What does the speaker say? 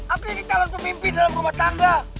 aku ini talon pemimpin dalam rumah tangga